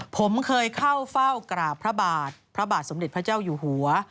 ผมเคยเข้าเฝ้ากราบพระบาทพระบาทสมเด็จพระเจ้าอยู่หัว